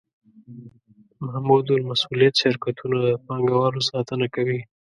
محدودالمسوولیت شرکتونه د پانګوالو ساتنه کوي.